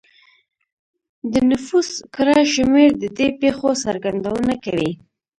د نفوس کره شمېر د دې پېښو څرګندونه کوي